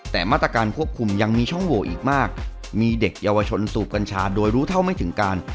แต่มาตรการควบคุมยังมีช่องโหวอีกมากมีเด็กเยาวชนสูบกัญชาโดยรู้เท่าไม่ถึงการ